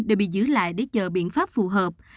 đều bị giữ lại để chờ biện pháp phù hợp